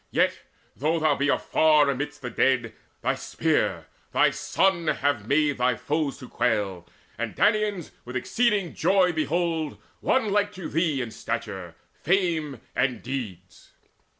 Yet, though thou be afar amidst the dead, Thy spear, thy son, have made thy foes to quail; And Danaans with exceeding joy behold One like to thee in stature, fame and deeds."